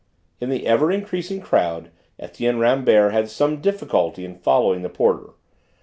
In the ever increasing crowd Etienne Rambert had some difficulty in following the porter.